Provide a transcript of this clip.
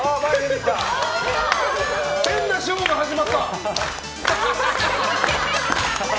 変なショーが始まった。